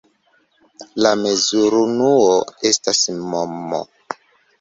La mezurunuo estas mm.